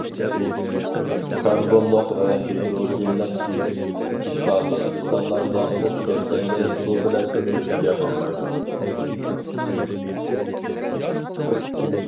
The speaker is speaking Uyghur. كاربونلۇق ۋە ھىدروگېنلىق ئىشقارلىق مېتاللارغا ئوت كەتكەندە سۇ بىلەن ئۆچۈرۈشكە بولمايدۇ.